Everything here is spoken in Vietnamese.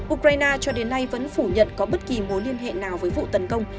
ukraine cho đến nay vẫn phủ nhận có bất kỳ mối liên hệ nào với vụ tấn công